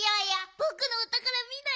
ぼくのおたからみない？